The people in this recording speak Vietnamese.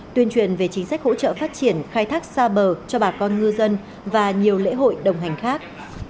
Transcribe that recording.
tuyên truyền về chính sách hỗ trợ phát triển khai thác xa bờ cho bà con ngư dân và nhiều lễ hội đồng hành khác